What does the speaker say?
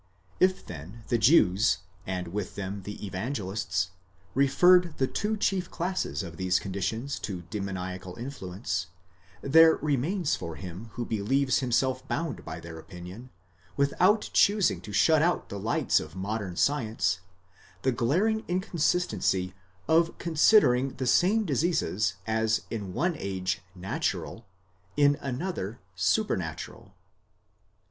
If then the Jews, and with them the Evangelists, referred the two chief classes of these condi tions to demoniacal influence, there remains for him who believes himself bound , by their opinion, without choosing to shut out the lights of modern science, the glaring inconsistency of considering the same diseases as in one age natural, in another supernatural.